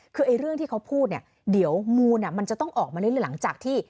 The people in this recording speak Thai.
คือเรื่องที่เขาพูดนี่มูลน่ะมันจะต้องออกมาเร็วหลังจากที่